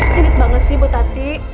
sulit banget sih bu tati